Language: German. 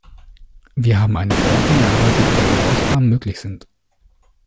Wir haben eine Verordnung erarbeitet, bei der Ausnahmen möglich sind.